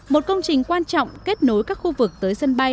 một công trình quan trọng kết nối các khu vực tới sân bay